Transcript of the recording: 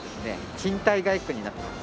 賃貸街区になってます。